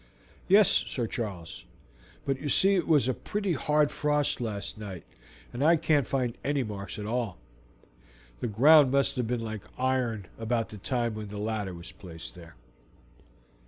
"Yes, Sir Charles, but you see it was a pretty hard frost last night, and I cannot find any marks at all. The ground must have been like iron about the time when the ladder was placed there."